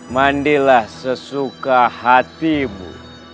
mandilah sesuka hatimu